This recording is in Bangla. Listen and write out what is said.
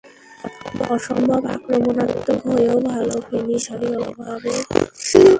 অসম্ভব আক্রমণাত্মক হয়েও ভালো ফিনিশারের অভাবে কাজের কাজটা করতে পারেনি বাংলাদেশ।